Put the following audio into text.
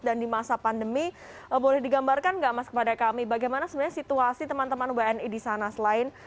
di masa pandemi boleh digambarkan nggak mas kepada kami bagaimana sebenarnya situasi teman teman wni di sana selain